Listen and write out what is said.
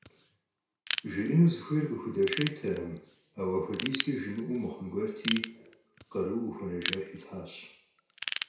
ЖиӀэну зыхуейр къыхудэшейтэкъым, ауэ апхуэдизкӀэ жимыӀэу мыхъун гуэрти, къарууэ къыхуэнэжар хилъхьащ.